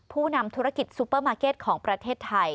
ผู้นำธุรกิจซูเปอร์มาร์เก็ตของประเทศไทย